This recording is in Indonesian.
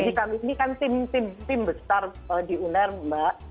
jadi kami ini kan tim tim besar di uner mbak